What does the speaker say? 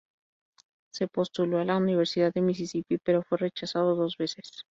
Se postuló a la Universidad de Misisipi, pero fue rechazado dos veces.